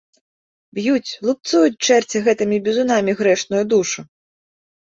Б'юць, лупцуюць чэрці гэтымі бізунамі грэшную душу.